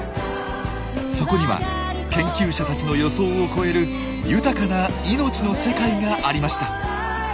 そこには研究者たちの予想を超える豊かな命の世界がありました。